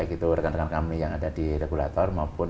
baik itu rekan rekan kami yang berusaha untuk membangun perusahaan tersebut